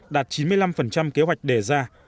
đạt chín mươi năm kế hoạch đề ra